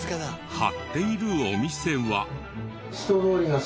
貼っているお店は。